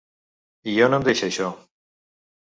I on em deixa, això?